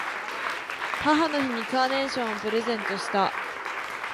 母の日にカーネーションをプレゼントした。